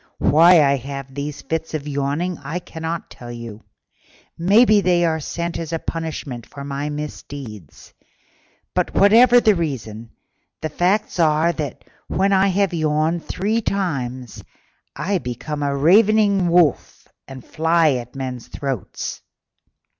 Why I have these fits of yawning I cannot tell: maybe they are sent as a punishment for my misdeeds; but, whatever the reason, the facts are that when I have yawned three times I become a ravening wolf and fly at men's throats."